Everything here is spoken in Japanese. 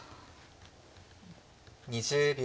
２０秒。